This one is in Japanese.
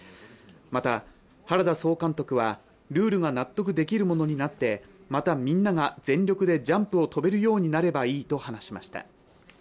また、原田総監督はルールが納得できるものになってまたみんなが全力でジャンプを飛べるようになればいいと話しました。